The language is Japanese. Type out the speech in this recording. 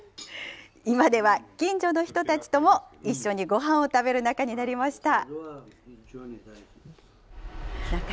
今では近所の人たちとも一緒にごはんを食べる仲になりました。